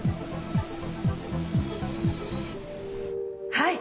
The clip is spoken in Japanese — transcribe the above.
はい。